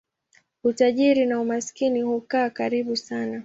Utajiri na umaskini hukaa karibu sana.